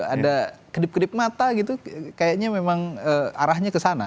ada kedip kedip mata gitu kayaknya memang arahnya ke sana